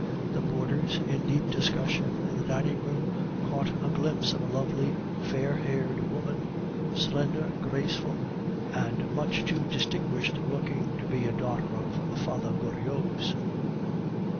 The boarders, in deep discussion in the dining room, caught a glimpse of a lovely, fair haired woman, slender, graceful, and much too distinguished looking to be a daughter of Father Goriot's.